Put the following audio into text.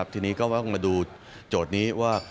ทีนี้ก็ต้องมาดูโจทย์นี้ว่า